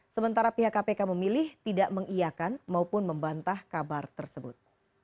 sementara pihak kpk memilih tidak mengiakan maupun membantah kabar tersebut